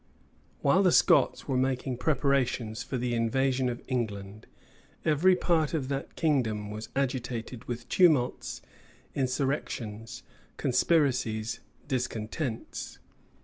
While the Scots were making preparations for the invasion of England, every part of that kingdom was agitated with tumults, insurrections, conspiracies, discontents.